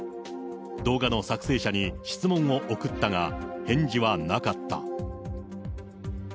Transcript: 動画の撮影者に質問を送ったが、返事はなかった。